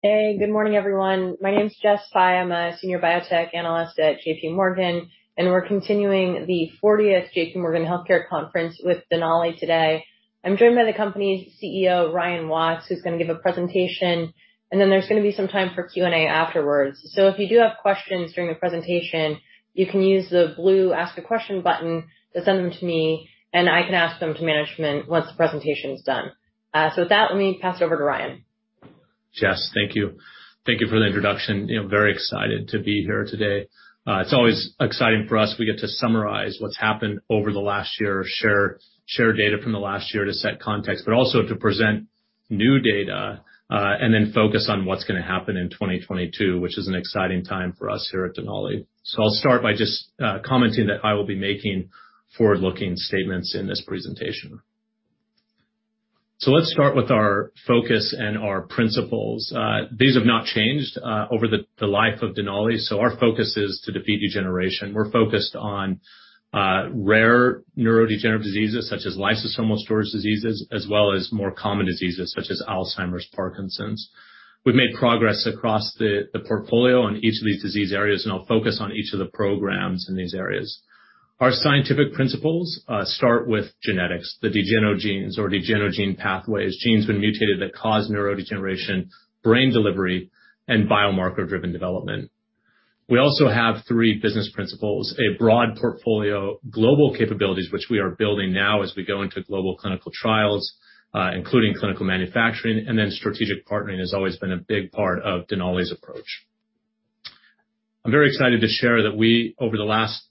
Hey, good morning, everyone. My name is Jess Fye. I'm a senior biotech analyst at J.P. Morgan, and we're continuing the 40th J.P. Morgan Healthcare Conference with Denali today. I'm joined by the company's CEO, Ryan Watts, who's gonna give a presentation, and then there's gonna be some time for Q&A afterwards. If you do have questions during the presentation, you can use the blue Ask a Question button to send them to me, and I can ask them to management once the presentation is done. With that, let me pass it over to Ryan. Jess, thank you. Thank you for the introduction. You know, very excited to be here today. It's always exciting for us. We get to summarize what's happened over the last year, share data from the last year to set context, but also to present new data, and then focus on what's gonna happen in 2022, which is an exciting time for us here at Denali. I'll start by just commenting that I will be making forward-looking statements in this presentation. Let's start with our focus and our principles. These have not changed over the life of Denali, so our focus is to defeat degeneration. We're focused on rare neurodegenerative diseases such as lysosomal storage diseases, as well as more common diseases such as Alzheimer's, Parkinson's. We've made progress across the portfolio on each of these disease areas, and I'll focus on each of the programs in these areas. Our scientific principles start with genetics, the degenogenes or degenogene pathways, genes when mutated that cause neurodegeneration, brain delivery, and biomarker-driven development. We also have three business principles, a broad portfolio, global capabilities which we are building now as we go into global clinical trials, including clinical manufacturing, and then strategic partnering has always been a big part of Denali's approach. I'm very excited to share that we over the last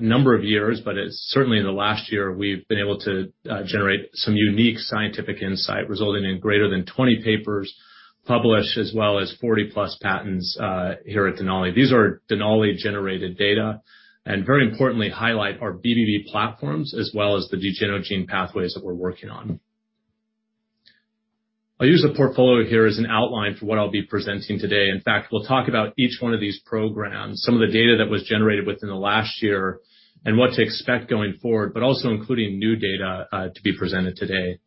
number of years, but certainly in the last year, we've been able to generate some unique scientific insight, resulting in greater than 20 papers published, as well as 40-plus patents here at Denali. These are Denali-generated data, and very importantly, highlight our BBB platforms as well as the degenogene pathways that we're working on. I'll use the portfolio here as an outline for what I'll be presenting today. In fact, we'll talk about each one of these programs, some of the data that was generated within the last year and what to expect going forward, but also including new data to be presented today.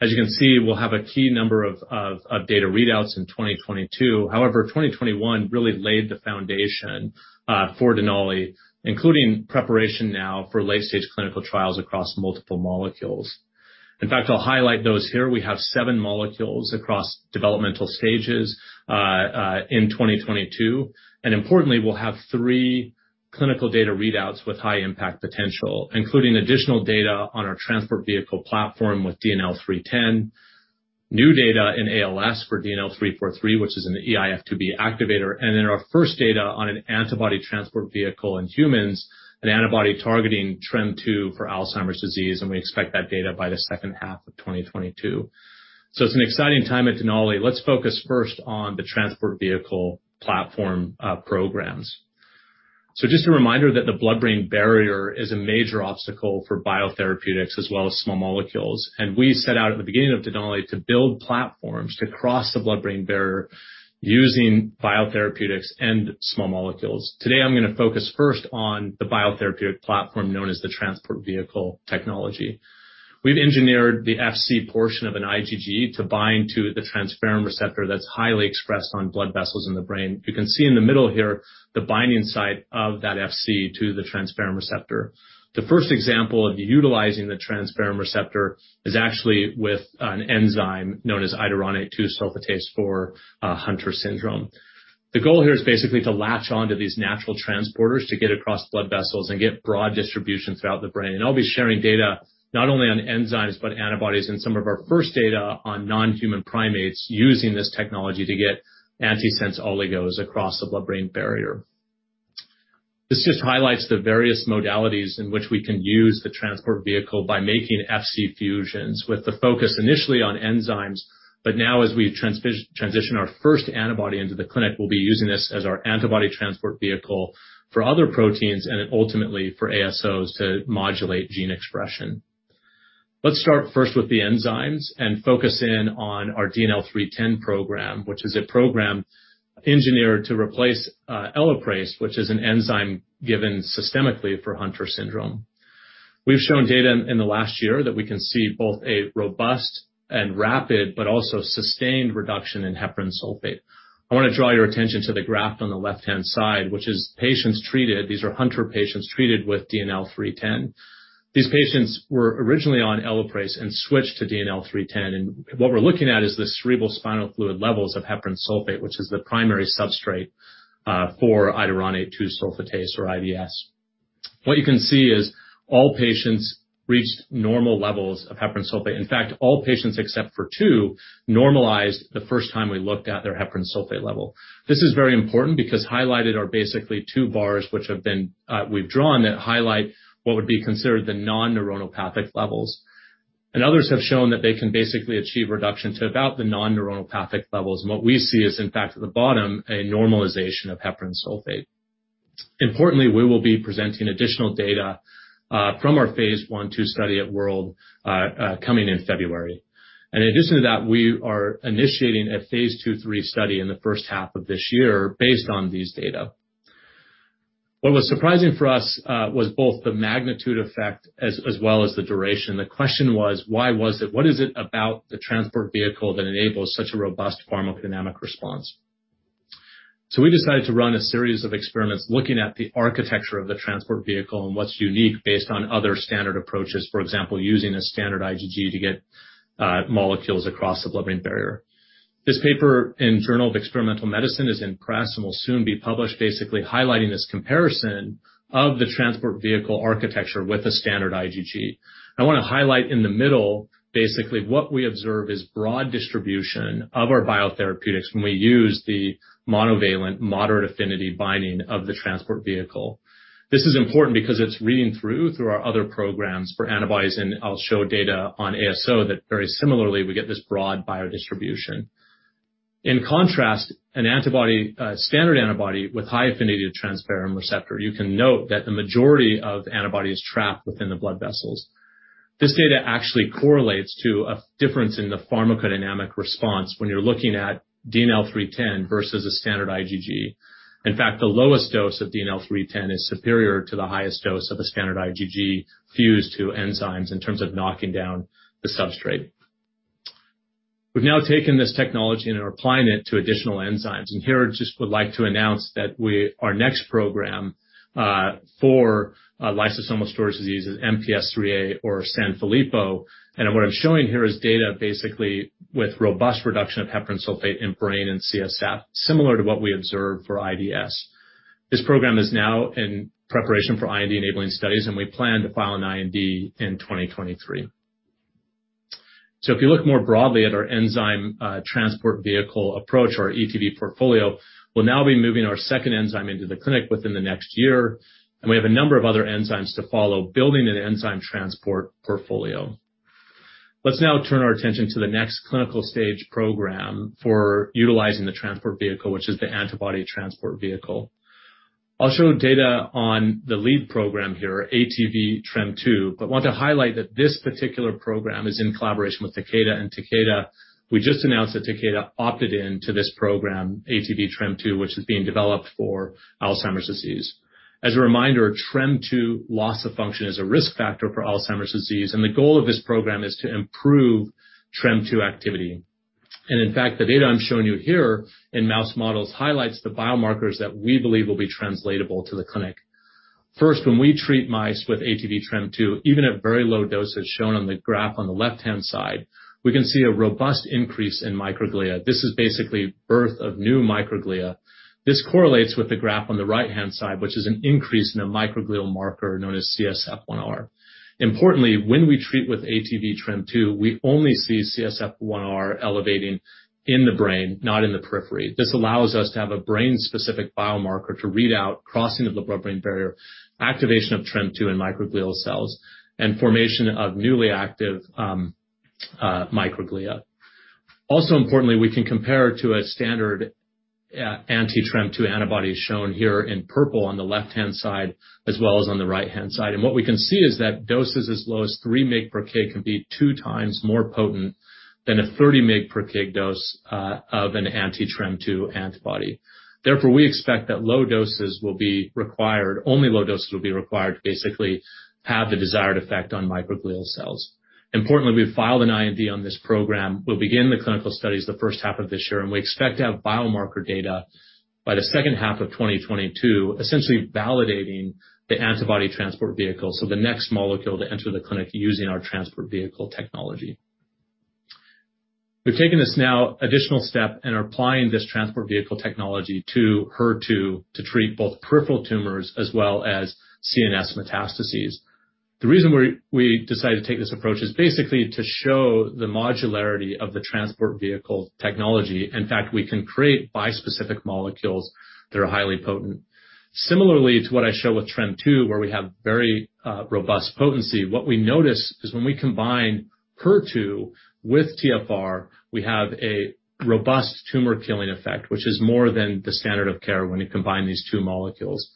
As you can see, we'll have a key number of data readouts in 2022. However, 2021 really laid the foundation for Denali, including preparation now for late-stage clinical trials across multiple molecules. In fact, I'll highlight those here. We have seven molecules across developmental stages in 2022, and importantly, we'll have three clinical data readouts with high impact potential, including additional data on our transport vehicle platform with DNL310, new data in ALS for DNL343, which is an eIF2B activator, and then our first data on an antibody transport vehicle in humans, an antibody targeting TREM2 for Alzheimer's disease, and we expect that data by the H2 of 2022. It's an exciting time at Denali. Let's focus first on the transport vehicle platform programs. Just a reminder that the blood-brain barrier is a major obstacle for biotherapeutics as well as small molecules. We set out at the beginning of Denali to build platforms to cross the blood-brain barrier using biotherapeutics and small molecules. Today, I'm gonna focus first on the biotherapeutic platform known as the transport vehicle technology. We've engineered the Fc portion of an IgG to bind to the transferrin receptor that's highly expressed on blood vessels in the brain. You can see in the middle here the binding site of that Fc to the transferrin receptor. The first example of utilizing the transferrin receptor is actually with an enzyme known as iduronate 2-sulfatase for Hunter syndrome. The goal here is basically to latch onto these natural transporters to get across blood vessels and get broad distribution throughout the brain. I'll be sharing data not only on enzymes, but antibodies and some of our first data on non-human primates using this technology to get antisense oligos across the blood-brain barrier. This just highlights the various modalities in which we can use the Transport Vehicle by making Fc fusions with the focus initially on enzymes. Now as we transition our first antibody into the clinic, we'll be using this as our Antibody Transport Vehicle for other proteins and ultimately for ASOs to modulate gene expression. Let's start first with the enzymes and focus in on our DNL310 program, which is a program engineered to replace Elaprase, which is an enzyme given systemically for Hunter syndrome. We've shown data in the last year that we can see both a robust and rapid but also sustained reduction in heparan sulfate. I wanna draw your attention to the graph on the left-hand side, which is patients treated. These are Hunter patients treated with DNL310. These patients were originally on Elaprase and switched to DNL310, and what we're looking at is the cerebrospinal fluid levels of heparan sulfate, which is the primary substrate for iduronate 2-sulfatase or IDS. What you can see is all patients reached normal levels of heparan sulfate. In fact, all patients except for two normalized the first time we looked at their heparan sulfate level. This is very important because highlighted are basically two bars which have been, we've drawn that highlight what would be considered the non-neuropathic levels. Others have shown that they can basically achieve reduction to about the non-neuropathic levels, and what we see is, in fact, at the bottom, a normalization of heparan sulfate. Importantly, we will be presenting additional data from our phase I/II study at WORLDSymposium coming in February. In addition to that, we are initiating a Phase II/III study in the H1 of this year based on these data. What was surprising for us was both the magnitude effect as well as the duration. The question was, why was it? What is it about the transport vehicle that enables such a robust pharmacodynamic response? We decided to run a series of experiments looking at the architecture of the transport vehicle and what's unique based on other standard approaches. For example, using a standard IgG to get molecules across the blood-brain barrier. This paper in Journal of Experimental Medicine is in press and will soon be published, basically highlighting this comparison of the transport vehicle architecture with a standard IgG. I wanna highlight in the middle, basically what we observe is broad distribution of our biotherapeutics when we use the monovalent moderate affinity binding of the transport vehicle. This is important because it's reading through our other programs for antibodies, and I'll show data on ASO that very similarly, we get this broad biodistribution. In contrast, an antibody, standard antibody with high affinity to transferrin receptor, you can note that the majority of the antibody is trapped within the blood vessels. This data actually correlates to a difference in the pharmacodynamic response when you're looking at DNL310 versus a standard IgG. In fact, the lowest dose of DNL310 is superior to the highest dose of a standard IgG fused to enzymes in terms of knocking down the substrate. We've now taken this technology and are applying it to additional enzymes. I would like to announce that our next program for lysosomal storage disease is MPS IIIA or Sanfilippo. What I'm showing here is data basically with robust reduction of heparan sulfate in brain and CSF, similar to what we observed for IDS. This program is now in preparation for IND-enabling studies, and we plan to file an IND in 2023. If you look more broadly at our enzyme transport vehicle approach, our ETV portfolio, we'll now be moving our second enzyme into the clinic within the next year, and we have a number of other enzymes to follow, building an enzyme transport portfolio. Let's now turn our attention to the next clinical stage program for utilizing the transport vehicle, which is the antibody transport vehicle. I'll show data on the lead program here, ATV:TREM2, but want to highlight that this particular program is in collaboration with Takeda. Takeda, we just announced that Takeda opted into this program, ATV:TREM2, which is being developed for Alzheimer's disease. As a reminder, TREM2 loss of function is a risk factor for Alzheimer's disease, and the goal of this program is to improve TREM2 activity. In fact, the data I'm showing you here in mouse models highlights the biomarkers that we believe will be translatable to the clinic. First, when we treat mice with ATV:TREM2, even at very low doses shown on the graph on the left-hand side, we can see a robust increase in microglia. This is basically birth of new microglia. This correlates with the graph on the right-hand side, which is an increase in a microglial marker known as CSF1R. Importantly, when we treat with ATV:TREM2, we only see CSF1R elevating in the brain, not in the periphery. This allows us to have a brain-specific biomarker to read out crossing of the blood-brain barrier, activation of TREM2 in microglial cells, and formation of newly active microglia. Also importantly, we can compare to a standard anti-TREM2 antibody shown here in purple on the left-hand side as well as on the right-hand side. What we can see is that doses as low as 3 mg per kg can be 2x more potent than a 30 mg per kg dose of an anti-TREM2 antibody. Therefore, we expect that low doses will be required. Only low doses will be required to basically have the desired effect on microglial cells. Importantly, we've filed an IND on this program. We'll begin the clinical studies the H1 of this year, and we expect to have biomarker data by the H2 of 2022, essentially validating the antibody transport vehicle, so the next molecule to enter the clinic using our transport vehicle technology. We've taken this now additional step and are applying this transport vehicle technology to HER2 to treat both peripheral tumors as well as CNS metastases. The reason we decided to take this approach is basically to show the modularity of the transport vehicle technology. In fact, we can create bispecific molecules that are highly potent. Similarly to what I show with TREM2, where we have very, robust potency, what we notice is when we combine HER2 with TFR, we have a robust tumor-killing effect, which is more than the standard of care when you combine these two molecules.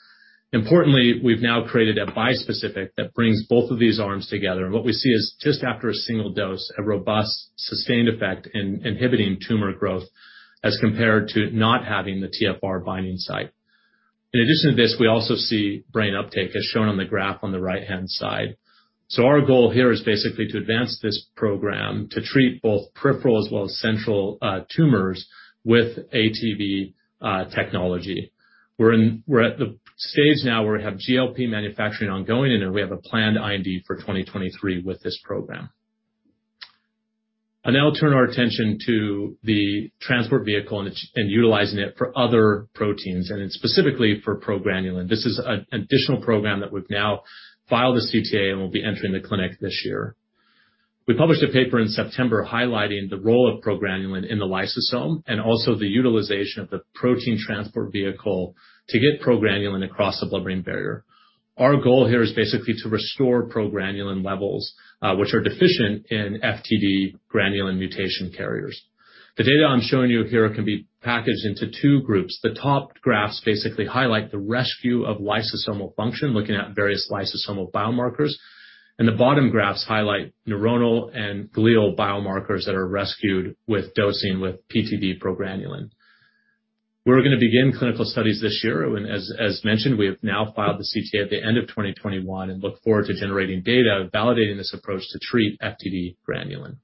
Importantly, we've now created a bispecific that brings both of these arms together, and what we see is just after a single dose, a robust sustained effect in inhibiting tumor growth as compared to not having the TFR binding site. In addition to this, we also see brain uptake, as shown on the graph on the right-hand side. Our goal here is basically to advance this program to treat both peripheral as well as central, tumors with ATV, technology. We're at the stage now where we have GLP manufacturing ongoing, and then we have a planned IND for 2023 with this program. I'll now turn our attention to the transport vehicle and utilizing it for other proteins, and specifically for progranulin. This is an additional program that we've now filed as CTA and will be entering the clinic this year. We published a paper in September highlighting the role of progranulin in the lysosome and also the utilization of the protein transport vehicle to get progranulin across the blood-brain barrier. Our goal here is basically to restore progranulin levels, which are deficient in FTD granulin mutation carriers. The data I'm showing you here can be packaged into two groups. The top graphs basically highlight the rescue of lysosomal function, looking at various lysosomal biomarkers. The bottom graphs highlight neuronal and glial biomarkers that are rescued with dosing with PTV progranulin. We're gonna begin clinical studies this year. As mentioned, we have now filed the CTA at the end of 2021 and look forward to generating data and validating this approach to treat FTD-GRN.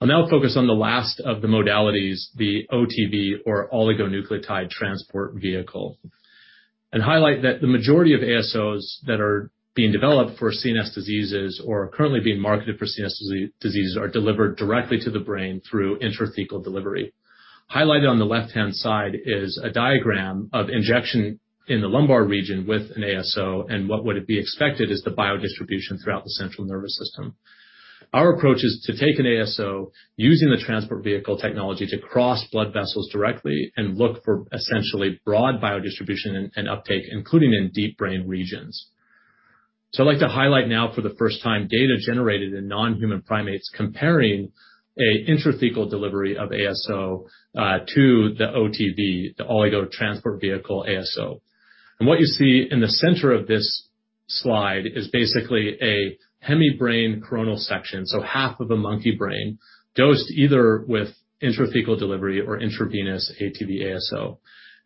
I'll now focus on the last of the modalities, the OTV or oligonucleotide transport vehicle. I highlight that the majority of ASOs that are being developed for CNS diseases or are currently being marketed for CNS diseases are delivered directly to the brain through intrathecal delivery. Highlighted on the left-hand side is a diagram of injection in the lumbar region with an ASO, and what would be expected is the biodistribution throughout the central nervous system. Our approach is to take an ASO using the transport vehicle technology to cross blood vessels directly and look for essentially broad biodistribution and uptake, including in deep brain regions. I'd like to highlight now for the first time data generated in non-human primates comparing intrathecal delivery of ASO to the OTV, the oligo transport vehicle ASO. What you see in the center of this slide is basically a hemibrain coronal section, so half of a monkey brain, dosed either with intrathecal delivery or intravenous ATV ASO.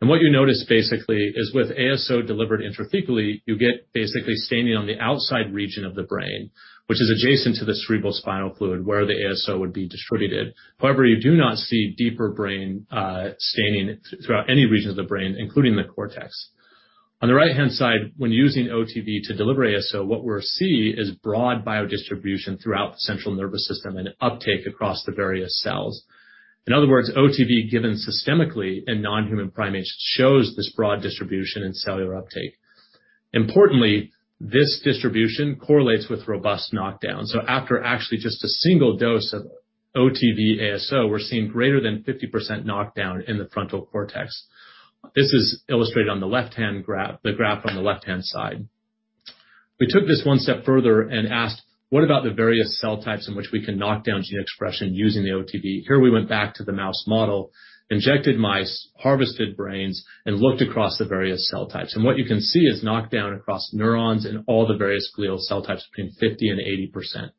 What you notice basically is with ASO delivered intrathecally, you get basically staining on the outside region of the brain, which is adjacent to the cerebrospinal fluid where the ASO would be distributed. However, you do not see deeper brain staining throughout any region of the brain, including the cortex. On the right-hand side, when using OTV to deliver ASO, what we're seeing is broad biodistribution throughout the central nervous system and uptake across the various cells. In other words, OTV given systemically in non-human primates shows this broad distribution in cellular uptake. Importantly, this distribution correlates with robust knockdown. After actually just a single dose of OTV ASO, we're seeing greater than 50% knockdown in the frontal cortex. This is illustrated on the left-hand graph, the graph on the left-hand side. We took this one step further and asked, "What about the various cell types in which we can knock down gene expression using the OTV?" Here we went back to the mouse model, injected mice, harvested brains, and looked across the various cell types. What you can see is knockdown across neurons in all the various glial cell types between 50% and 80%.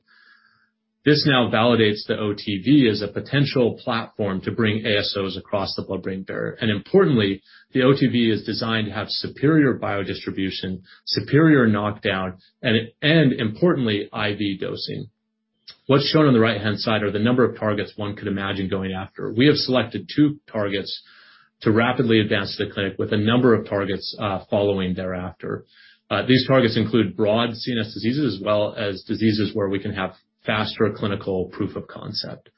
This now validates the OTV as a potential platform to bring ASOs across the blood-brain barrier. Importantly, the OTV is designed to have superior biodistribution, superior knockdown, and importantly, IV dosing. What's shown on the right-hand side are the number of targets one could imagine going after. We have selected two targets to rapidly advance to the clinic with a number of targets, following thereafter. These targets include broad CNS diseases as well as diseases where we can have faster clinical proof of concept.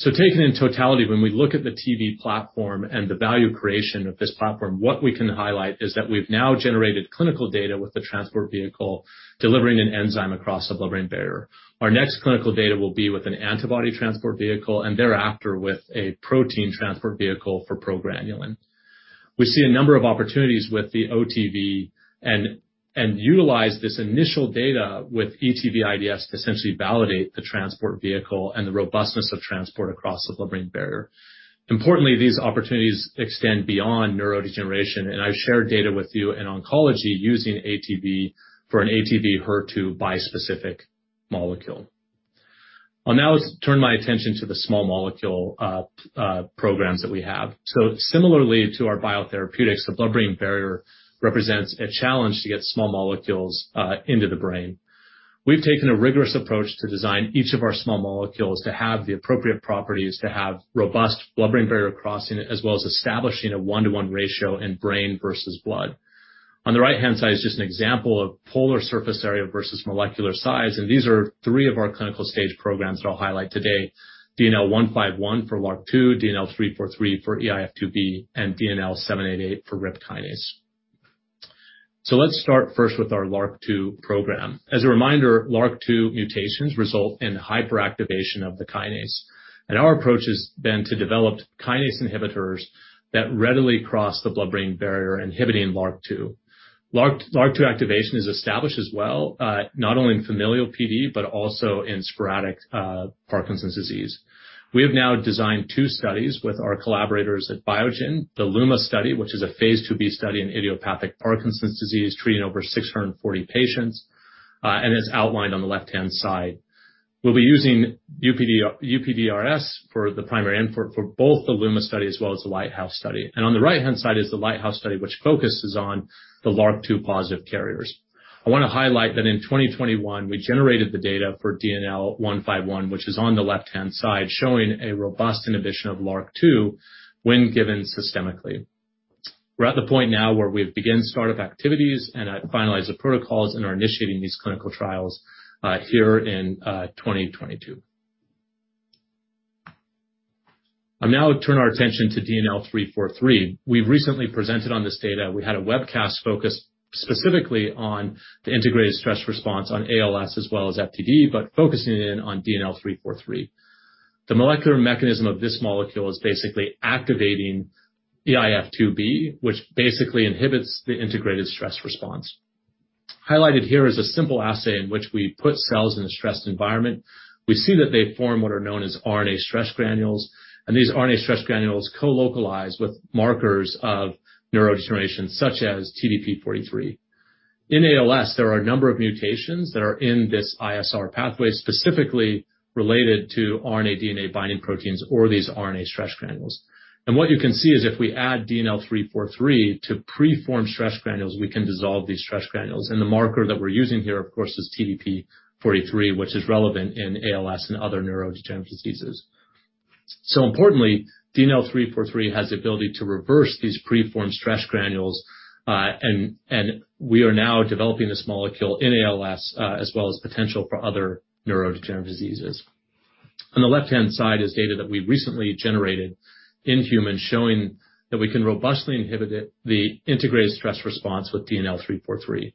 Taken in totality, when we look at the TV platform and the value creation of this platform, what we can highlight is that we've now generated clinical data with the transport vehicle delivering an enzyme across the blood-brain barrier. Our next clinical data will be with an antibody transport vehicle and thereafter with a protein transport vehicle for progranulin. We see a number of opportunities with the ETV and utilize this initial data with ETV:IDS to essentially validate the transport vehicle and the robustness of transport across the blood-brain barrier. Importantly, these opportunities extend beyond neurodegeneration, and I've shared data with you in oncology using ATV for an ATV:HER2 bispecific molecule. I'll now turn my attention to the small molecule programs that we have. Similarly to our biotherapeutics, the blood-brain barrier represents a challenge to get small molecules into the brain. We've taken a rigorous approach to design each of our small molecules to have the appropriate properties, to have robust blood-brain barrier crossing, as well as establishing a one-to-one ratio in brain versus blood. On the right-hand side is just an example of polar surface area versus molecular size, and these are three of our clinical stage programs that I'll highlight today. DNL151 for LRRK2, DNL343 for eIF2B, and DNL788 for RIPK1. Let's start first with our LRRK2 program. As a reminder, LRRK2 mutations result in hyperactivation of the kinase. Our approach has been to develop kinase inhibitors that readily cross the blood-brain barrier, inhibiting LRRK2. LRRK2 activation is established as well, not only in familial PD, but also in sporadic Parkinson's disease. We have now designed two studies with our collaborators at Biogen, the LUMA study, which is a phase IIb study in idiopathic Parkinson's disease, treating over 640 patients, and is outlined on the left-hand side. We'll be using UPDRS for the primary endpoint for both the LUMA study as well as the LIGHTHOUSE study. On the right-hand side is the LIGHTHOUSE study, which focuses on the LRRK2 positive carriers. I want to highlight that in 2021, we generated the data for DNL151, which is on the left-hand side, showing a robust inhibition of LRRK2 when given systemically. We're at the point now where we've began startup activities and finalized the protocols and are initiating these clinical trials here in 2022. I'll now turn our attention to DNL343. We've recently presented on this data. We had a webcast focused specifically on the integrated stress response on ALS as well as FTD, but focusing in on DNL343. The molecular mechanism of this molecule is basically activating eIF2B, which basically inhibits the integrated stress response. Highlighted here is a simple assay in which we put cells in a stressed environment. We see that they form what are known as RNA stress granules, and these RNA stress granules colocalize with markers of neurodegeneration, such as TDP-43. In ALS, there are a number of mutations that are in this ISR pathway, specifically related to TAR DNA-binding proteins or these RNA stress granules. What you can see is if we add DNL343 to preformed stress granules, we can dissolve these stress granules. The marker that we're using here, of course, is TDP-43, which is relevant in ALS and other neurodegenerative diseases. Importantly, DNL343 has the ability to reverse these preformed stress granules, and we are now developing this molecule in ALS, as well as potential for other neurodegenerative diseases. On the left-hand side is data that we recently generated in humans showing that we can robustly inhibit the integrated stress response with DNL343.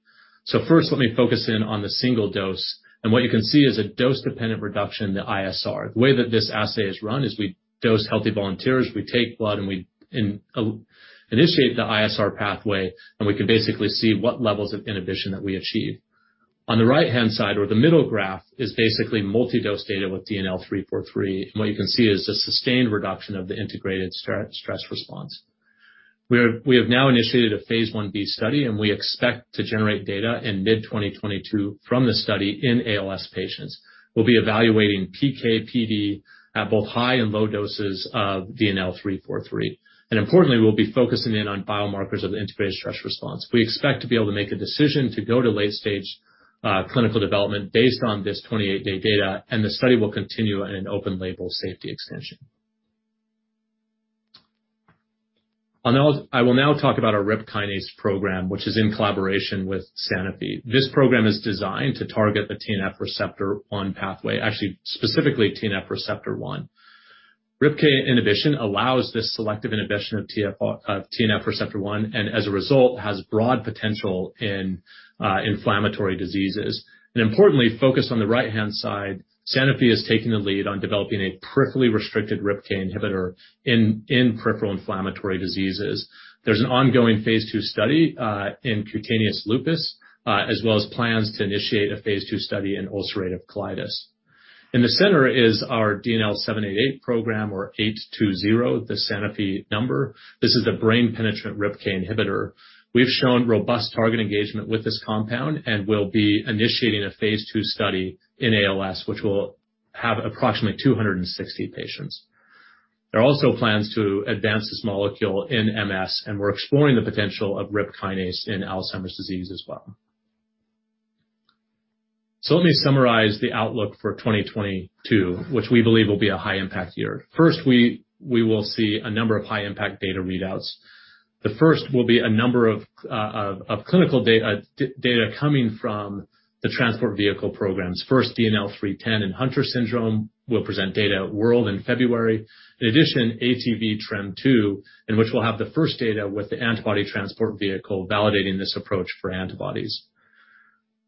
First, let me focus in on the single dose. What you can see is a dose-dependent reduction in the ISR. The way that this assay is run is we dose healthy volunteers, we take blood, and we initiate the ISR pathway, and we can basically see what levels of inhibition that we achieve. On the right-hand side or the middle graph is basically multi-dose data with DNL343, and what you can see is a sustained reduction of the integrated stress response. We have now initiated a phase I-B study, and we expect to generate data in mid-2022 from the study in ALS patients. We'll be evaluating PK/PD at both high and low doses of DNL343. Importantly, we'll be focusing in on biomarkers of the integrated stress response. We expect to be able to make a decision to go to late-stage clinical development based on this 28-day data, and the study will continue in an open label safety extension. On ALS, I will now talk about our RIP kinase program, which is in collaboration with Sanofi. This program is designed to target the TNF receptor one pathway, actually specifically TNF receptor one. RIPK inhibition allows this selective inhibition of TNF receptor one, and as a result, has broad potential in inflammatory diseases. Importantly, focused on the right-hand side, Sanofi has taken the lead on developing a peripherally restricted RIPK inhibitor in peripheral inflammatory diseases. There's an ongoing phase II study in cutaneous lupus, as well as plans to initiate a phase II study in ulcerative colitis. In the center is our DNL788 program or 820, the Sanofi number. This is the brain penetrant RIPK inhibitor. We've shown robust target engagement with this compound and will be initiating a phase II study in ALS, which will have approximately 260 patients. There are also plans to advance this molecule in MS, and we're exploring the potential of RIP kinase in Alzheimer's disease as well. Let me summarize the outlook for 2022, which we believe will be a high impact year. First, we will see a number of high impact data readouts. The first will be a number of clinical data coming from the transport vehicle programs. First, DNL310 and Hunter syndrome will present data at WORLDSymposium in February. In addition, ATV-TREM2, in which we'll have the first data with the antibody transport vehicle validating this approach for antibodies.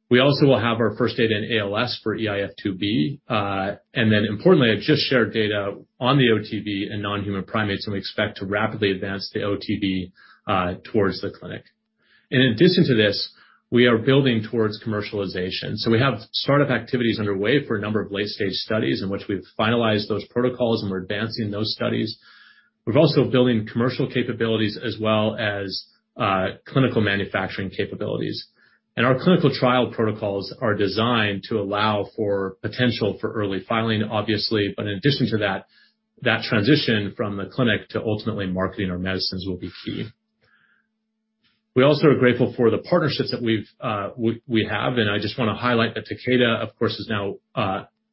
We also will have our first data in ALS for eIF2B. Importantly, I've just shared data on the OTV in non-human primates, and we expect to rapidly advance the OTV towards the clinic. In addition to this, we are building towards commercialization. We have startup activities underway for a number of late-stage studies in which we've finalized those protocols and we're advancing those studies. We're also building commercial capabilities as well as clinical manufacturing capabilities. Our clinical trial protocols are designed to allow for potential for early filing, obviously. In addition to that transition from the clinic to ultimately marketing our medicines will be key. We also are grateful for the partnerships that we have, and I just wanna highlight that Takeda, of course, has now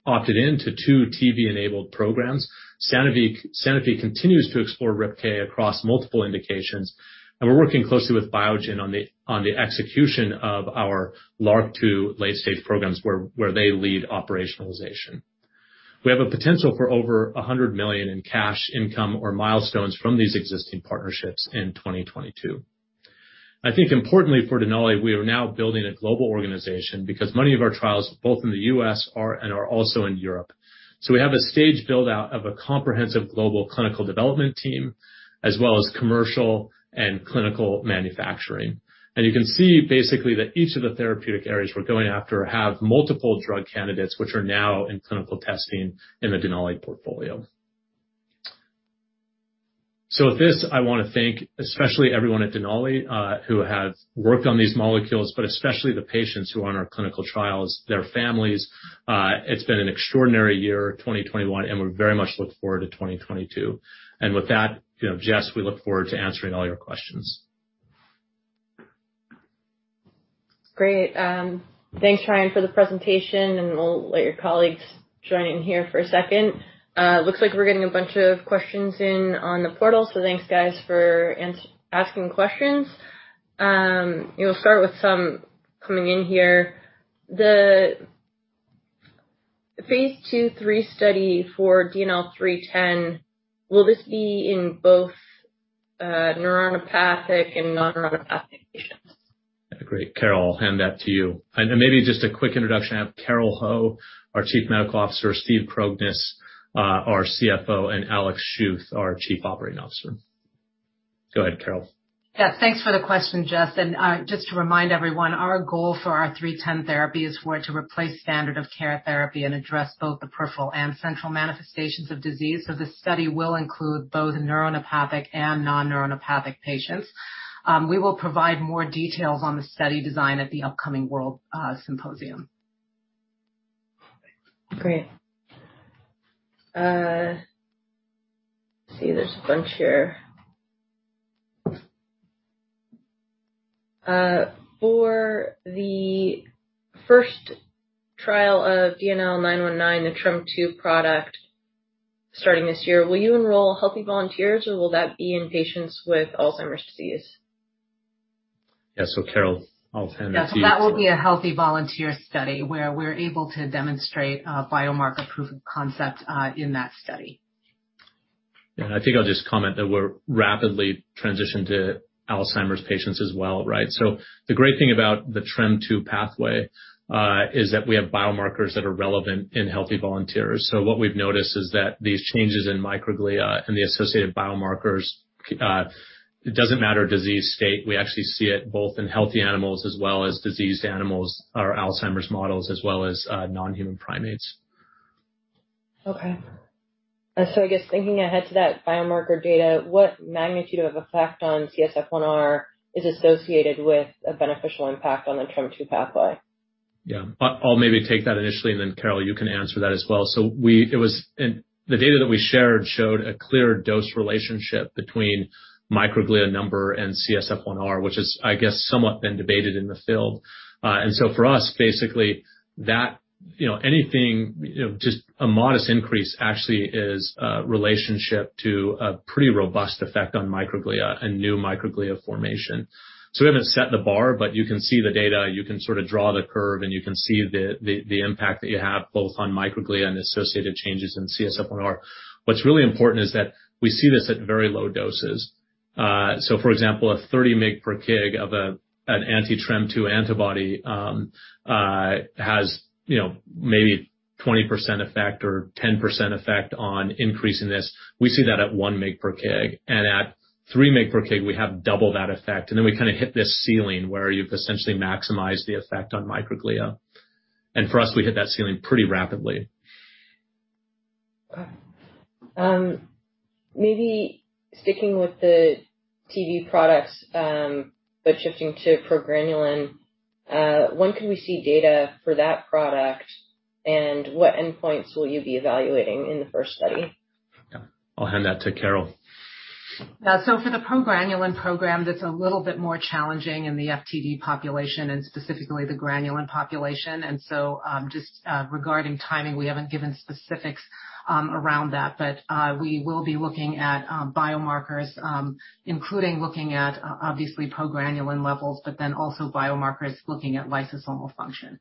opted in to two TV-enabled programs. Sanofi continues to explore RIPK across multiple indications, and we're working closely with Biogen on the execution of our LRRK2 late-stage programs where they lead operationalization. We have a potential for over $100 million in cash income or milestones from these existing partnerships in 2022. I think importantly for Denali, we are now building a global organization because many of our trials, both in the U.S. and also in Europe. We have a stage build-out of a comprehensive global clinical development team, as well as commercial and clinical manufacturing. You can see basically that each of the therapeutic areas we're going after have multiple drug candidates, which are now in clinical testing in the Denali portfolio. With this, I wanna thank especially everyone at Denali who have worked on these molecules, but especially the patients who are on our clinical trials, their families. It's been an extraordinary year, 2021, and we very much look forward to 2022. With that, you know, Jess, we look forward to answering all your questions. Great. Thanks, Ryan, for the presentation, and we'll let your colleagues join in here for a second. It looks like we're getting a bunch of questions in on the portal, so thanks, guys, for asking questions. We'll start with some coming in here. The Phase II/III study for DNL310, will this be in both, neuronopathic and non-neuronopathic patients? Great. Carole, I'll hand that to you. Maybe just a quick introduction. I have Carole Ho, our Chief Medical Officer, Steve Krognes, our CFO, and Alex Schuth, our Chief Operating Officer. Go ahead, Carole. Thanks for the question, Jess. Just to remind everyone, our goal for our DNL310 therapy is for it to replace standard of care therapy and address both the peripheral and central manifestations of disease. This study will include both neuronopathic and non-neuronopathic patients. We will provide more details on the study design at the upcoming WORLDSymposium. Great. Let's see, there's a bunch here. For the first trial of DNL919, the TREM2 product starting this year, will you enroll healthy volunteers, or will that be in patients with Alzheimer's disease? Yeah. Carole, I'll hand it to you. Yeah. That will be a healthy volunteer study where we're able to demonstrate a biomarker proof of concept in that study. Yeah. I think I'll just comment that we've rapidly transitioned to Alzheimer's patients as well, right? The great thing about the TREM2 pathway is that we have biomarkers that are relevant in healthy volunteers. What we've noticed is that these changes in microglia and the associated biomarkers, it doesn't matter disease state. We actually see it both in healthy animals as well as diseased animals or Alzheimer's models as well as non-human primates. Okay. I guess thinking ahead to that biomarker data, what magnitude of effect on CSF1R is associated with a beneficial impact on the TREM2 pathway? Yeah. I'll maybe take that initially, and then Carole, you can answer that as well. In the data that we shared showed a clear dose relationship between microglia number and CSF1R, which is, I guess, somewhat been debated in the field. For us, basically that you know, anything, you know, just a modest increase actually is a relationship to a pretty robust effect on microglia and new microglia formation. We haven't set the bar, but you can see the data, you can sort of draw the curve, and you can see the impact that you have both on microglia and associated changes in CSF1R. What's really important is that we see this at very low doses. For example, a 30 mg per kg of an anti-TREM2 antibody has, you know, maybe 20% effect or 10% effect on increase in this. We see that at 1 mg per kg. At 3 mg per kg we have double that effect. Then we kinda hit this ceiling where you've essentially maximized the effect on microglia. For us, we hit that ceiling pretty rapidly. Okay. Maybe sticking with the FTD products, but shifting to progranulin, when can we see data for that product, and what endpoints will you be evaluating in the first study? Yeah. I'll hand that to Carole. For the progranulin program, that's a little bit more challenging in the FTD population and specifically the granulin population. Just regarding timing, we haven't given specifics around that. We will be looking at biomarkers, including looking at obviously progranulin levels, but then also biomarkers looking at lysosomal function.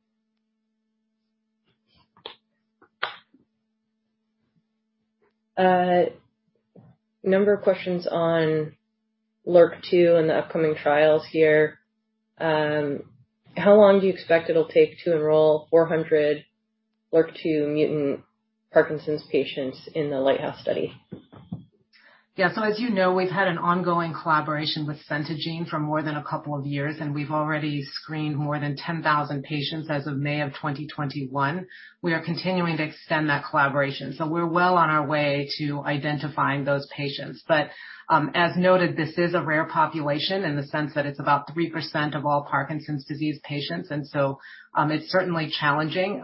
Number of questions on LRRK2 and the upcoming trials here. How long do you expect it'll take to enroll 400 LRRK2 mutant Parkinson's patients in the LIGHTHOUSE study? Yeah. As you know, we've had an ongoing collaboration with Centogene for more than a couple of years, and we've already screened more than 10,000 patients as of May 2021. We are continuing to extend that collaboration. We're well on our way to identifying those patients. But as noted, this is a rare population in the sense that it's about 3% of all Parkinson's disease patients. It's certainly challenging.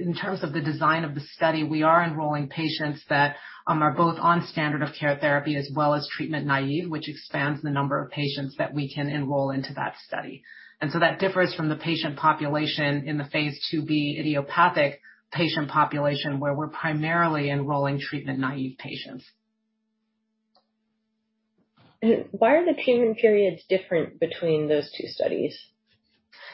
In terms of the design of the study, we are enrolling patients that are both on standard of care therapy as well as treatment-naive, which expands the number of patients that we can enroll into that study. That differs from the patient population in the phase IIb idiopathic patient population, where we're primarily enrolling treatment-naive patients. Why are the treatment periods different between those two studies?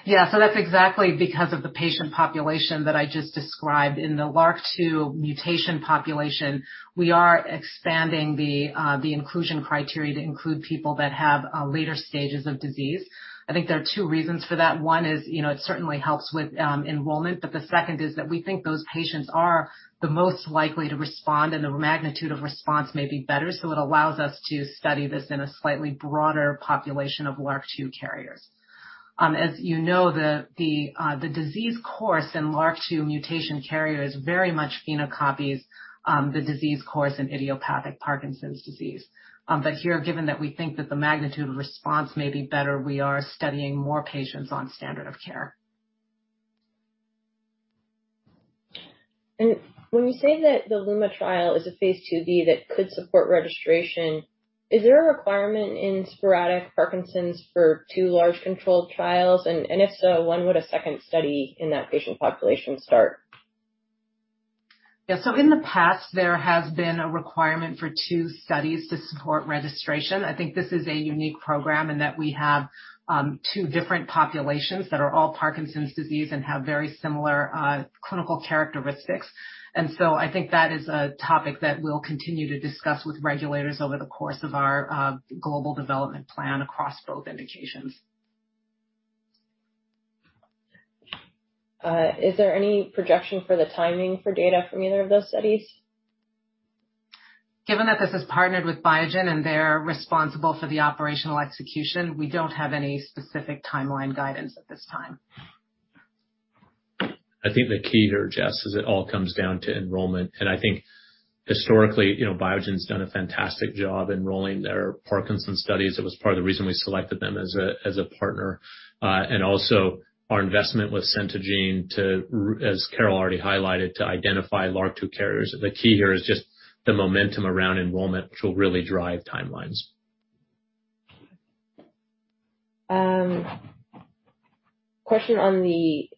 That's exactly because of the patient population that I just described. In the LRRK2 mutation population, we are expanding the inclusion criteria to include people that have later stages of disease. I think there are two reasons for that. One is, you know, it certainly helps with enrollment, but the second is that we think those patients are the most likely to respond, and the magnitude of response may be better. It allows us to study this in a slightly broader population of LRRK2 carriers. As you know, the disease course in LRRK2 mutation carrier is very much phenocopies the disease course in idiopathic Parkinson's disease. Here, given that we think that the magnitude of response may be better, we are studying more patients on standard of care. When you say that the LUMA trial is a phase IIb that could support registration, is there a requirement in sporadic Parkinson's for two large controlled trials? If so, when would a second study in that patient population start? Yeah. In the past, there has been a requirement for two studies to support registration. I think this is a unique program in that we have two different populations that are all Parkinson's disease and have very similar clinical characteristics. I think that is a topic that we'll continue to discuss with regulators over the course of our global development plan across both indications. Is there any projection for the timing for data from either of those studies? Given that this is partnered with Biogen and they're responsible for the operational execution, we don't have any specific timeline guidance at this time. I think the key here, Jess, is it all comes down to enrollment. I think historically, you know, Biogen's done a fantastic job enrolling their Parkinson's studies. It was part of the reason we selected them as a partner. And also our investment with Centogene, as Carole already highlighted, to identify LRRK2 carriers. The key here is just the momentum around enrollment, which will really drive timelines. Question on the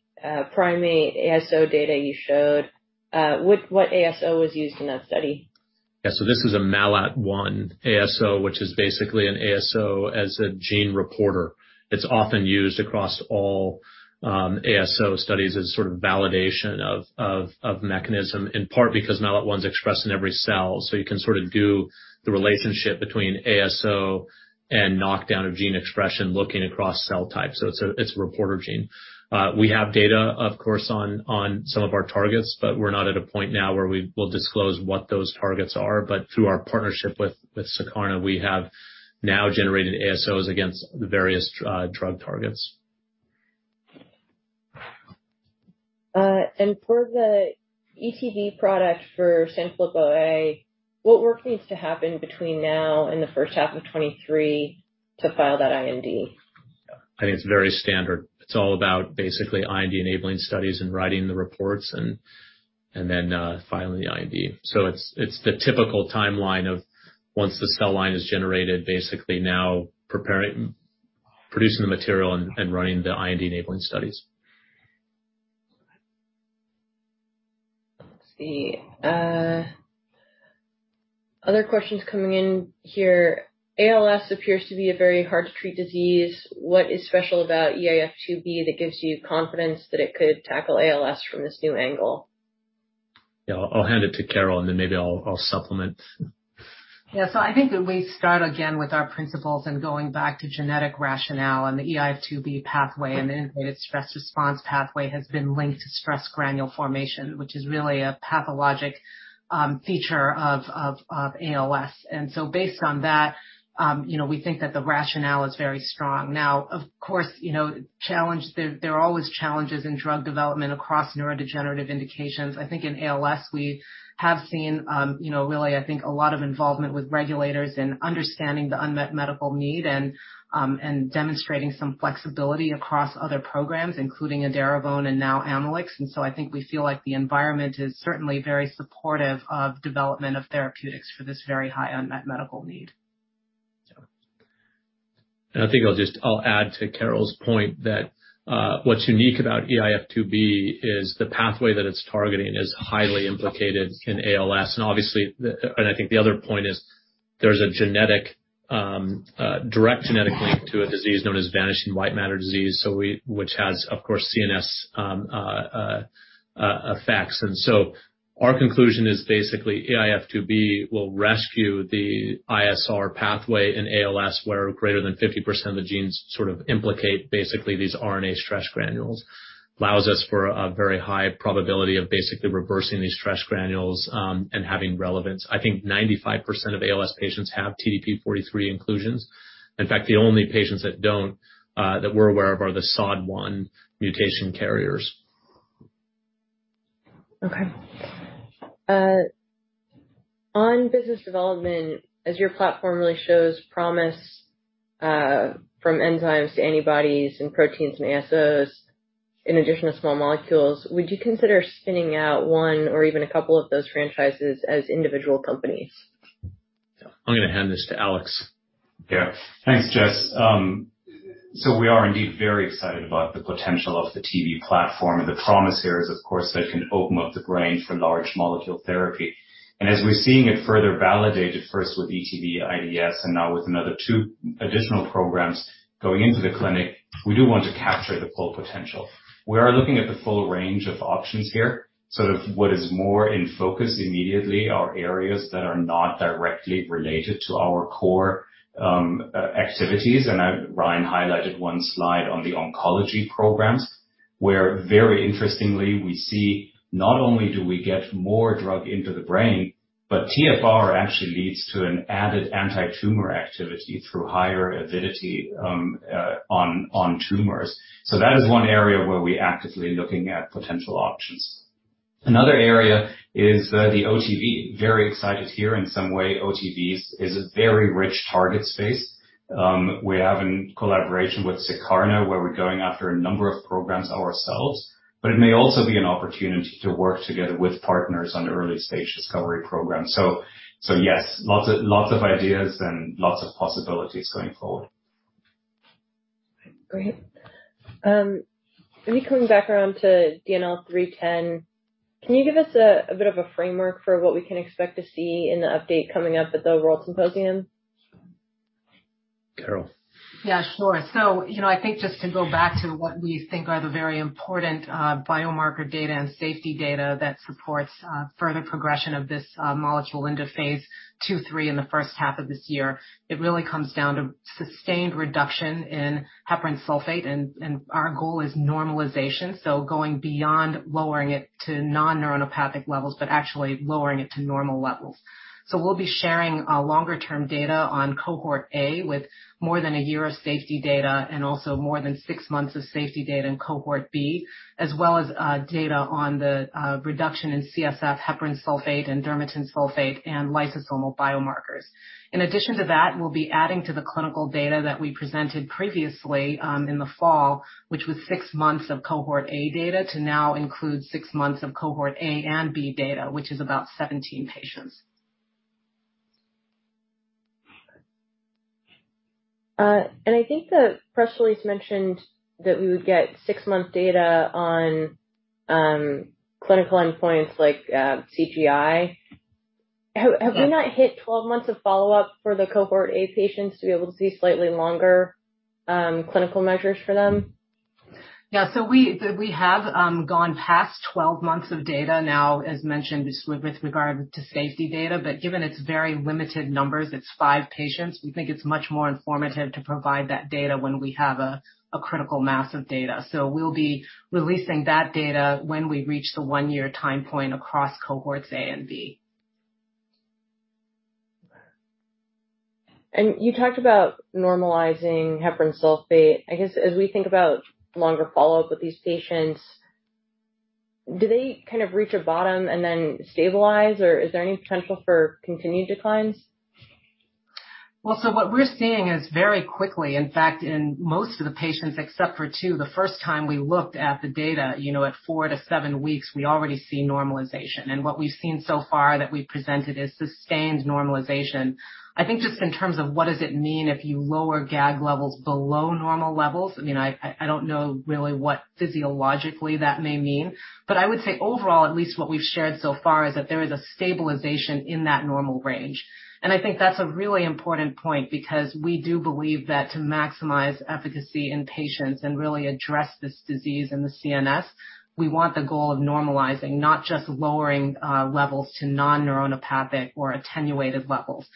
primate ASO data you showed. What ASO was used in that study? Yeah. This is a MALAT1 ASO, which is basically an ASO as a gene reporter. It's often used across all ASO studies as sort of validation of mechanism, in part because MALAT1 is expressed in every cell. You can sort of do the relationship between ASO and knockdown of gene expression looking across cell types. It's a reporter gene. We have data, of course, on some of our targets, but we're not at a point now where we will disclose what those targets are. Through our partnership with Secarna, we have now generated ASOs against the various drug targets. For the ETV product for Sanfilippo A, what work needs to happen between now and the H1 of 2023 to file that IND? I think it's very standard. It's all about basically IND-enabling studies and writing the reports and then filing the IND. It's the typical timeline of once the cell line is generated, basically now producing the material and running the IND-enabling studies. Let's see. Other questions coming in here. ALS appears to be a very hard to treat disease. What is special about eIF2B that gives you confidence that it could tackle ALS from this new angle? Yeah. I'll hand it to Carole, and then maybe I'll supplement. I think that we start again with our principles and going back to genetic rationale and the eIF2B pathway and the integrated stress response pathway has been linked to stress granule formation, which is really a pathologic feature of ALS. Based on that, you know, we think that the rationale is very strong. Now, of course, you know, there are always challenges in drug development across neurodegenerative indications. I think in ALS we have seen, you know, really, I think a lot of involvement with regulators in understanding the unmet medical need and demonstrating some flexibility across other programs, including Edaravone and now Amylyx. I think we feel like the environment is certainly very supportive of development of therapeutics for this very high unmet medical need. I think I'll just add to Carole's point that what's unique about eIF2B is the pathway that it's targeting is highly implicated in ALS. I think the other point is there's a direct genetic link to a disease known as vanishing white matter disease. Which has, of course, CNS effects. Our conclusion is basically eIF2B will rescue the ISR pathway in ALS, where greater than 50% of the genes sort of implicate basically these RNA stress granules. Allows us for a very high probability of basically reversing these stress granules and having relevance. I think 95% of ALS patients have TDP-43 inclusions. In fact, the only patients that don't that we're aware of are the SOD1 mutation carriers. Okay. On business development, as your platform really shows promise, from enzymes to antibodies and proteins and ASOs, in addition to small molecules, would you consider spinning out one or even a couple of those franchises as individual companies? I'm gonna hand this to Alex. Yeah. Thanks, Jess. So we are indeed very excited about the potential of the TV platform. The promise here is, of course, that it can open up the brain for large molecule therapy. As we're seeing it further validated, first with ETV:IDS and now with another two additional programs going into the clinic, we do want to capture the full potential. We are looking at the full range of options here. Sort of what is more in focus immediately are areas that are not directly related to our core activities. Ryan highlighted one slide on the oncology programs, where very interestingly, we see not only do we get more drug into the brain, but TFR actually leads to an added antitumor activity through higher avidity on tumors. So that is one area where we're actively looking at potential options. Another area is the OTV. Very excited here. In some way, OTV is a very rich target space. We have a collaboration with Secarna, where we're going after a number of programs ourselves. It may also be an opportunity to work together with partners on early-stage discovery programs. Yes, lots of ideas and lots of possibilities going forward. Great. Maybe coming back around to DNL310, can you give us a bit of a framework for what we can expect to see in the update coming up at the WORLDSymposium? Carole. Yeah, sure. You know, I think just to go back to what we think are the very important biomarker data and safety data that supports further progression of this molecule into phase II/III in the H1 of this year, it really comes down to sustained reduction in heparan sulfate. Our goal is normalization, so going beyond lowering it to non-neuropathic levels, but actually lowering it to normal levels. We'll be sharing longer-term data on cohort A with more than a year of safety data and also more than six months of safety data in cohort B, as well as data on the reduction in CSF heparan sulfate and dermatan sulfate and lysosomal biomarkers. In addition to that, we'll be adding to the clinical data that we presented previously, in the fall, which was six months of cohort A data to now include six months of cohort A and B data, which is about 17 patients. I think the press release mentioned that we would get six-month data on clinical endpoints like CGI. Have we not hit 12 months of follow-up for the cohort A patients to be able to see slightly longer clinical measures for them? Yeah. We have gone past 12 months of data now, as mentioned, with regard to safety data, but given it's very limited numbers, it's five patients, we think it's much more informative to provide that data when we have a critical mass of data. We'll be releasing that data when we reach the one-year time point across cohorts A and B. You talked about normalizing heparan sulfate. I guess, as we think about longer follow-up with these patients, do they kind of reach a bottom and then stabilize, or is there any potential for continued declines? Well, what we're seeing is very quickly. In fact, in most of the patients, except for two, the first time we looked at the data, you know, at four to seven weeks, we already see normalization. What we've seen so far that we've presented is sustained normalization. I think just in terms of what does it mean if you lower GAG levels below normal levels, I mean, I don't know really what physiologically that may mean. I would say overall, at least what we've shared so far, is that there is a stabilization in that normal range. I think that's a really important point because we do believe that to maximize efficacy in patients and really address this disease in the CNS, we want the goal of normalizing, not just lowering, levels to non-neuropathic or attenuated levels.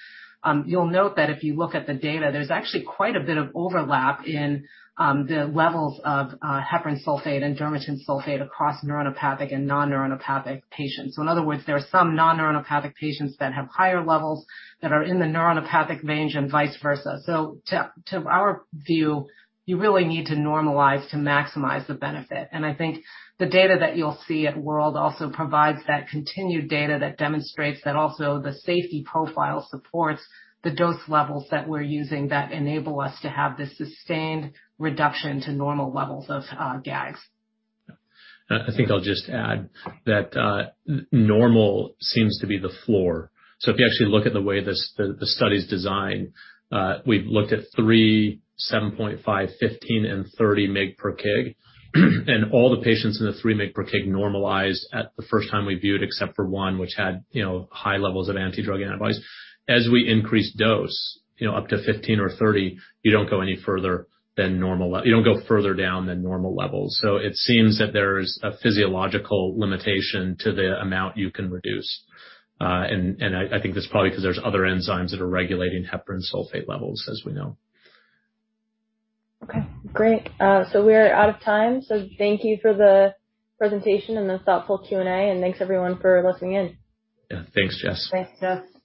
You'll note that if you look at the data, there's actually quite a bit of overlap in the levels of heparan sulfate and dermatan sulfate across neuropathic and non-neuropathic patients. In other words, there are some non-neuropathic patients that have higher levels that are in the neuropathic range and vice versa. To our view, you really need to normalize to maximize the benefit. I think the data that you'll see at WORLDSymposium also provides that continued data that demonstrates that also the safety profile supports the dose levels that we're using that enable us to have this sustained reduction to normal levels of GAGs. I think I'll just add that normal seems to be the floor. If you actually look at the way this study's designed, we've looked at 3, 7.5, 15, and 30 mg per kg. All the patients in the 3 mg per kg normalized at the first time we viewed, except for one, which had, you know, high levels of anti-drug antibodies. As we increase dose, you know, up to 15 or 30, you don't go any further than normal levels. It seems that there's a physiological limitation to the amount you can reduce. I think that's probably 'cause there's other enzymes that are regulating heparan sulfate levels, as we know. Okay, great. We are out of time. Thank you for the presentation and the thoughtful Q&A, and thanks everyone for listening in. Yeah. Thanks, Jess. Thanks, Jess.